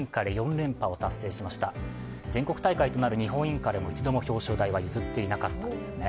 全国大会なる日本インカレでも一度も表彰台は譲っていなかったんですね。